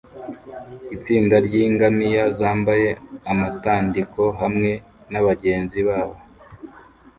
Itsinda ryingamiya zambaye amatandiko hamwe nabagenzi babo